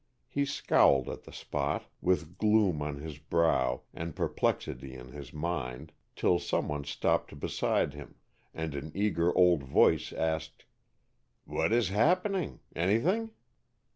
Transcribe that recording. He scowled at the spot, with gloom on his brow and perplexity in his mind, till someone stopped beside him, and an eager old voice asked, "What is happening? Anything?"